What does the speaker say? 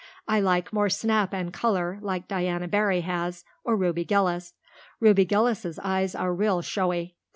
I like more snap and color, like Diana Barry has or Ruby Gillis. Ruby Gillis's looks are real showy.